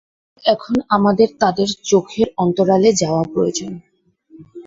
এখন আমাদের তাদের চোখের অন্তরালে যাওয়া প্রয়োজন।